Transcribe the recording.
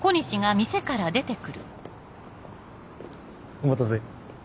お待たせ。